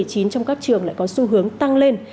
trong các trường lại có xu hướng tăng lên